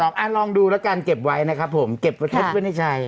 ตอบอ้านลองดูแล้วกันเก็บไว้นะครับผมเก็บไว้เพิ่งไม่ได้ใจ